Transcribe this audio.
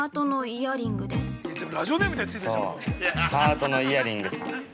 ◆そう、ハートのイヤリングさん。